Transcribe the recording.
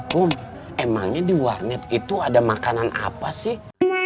aku emangnya di warnet itu ada makanan apa sih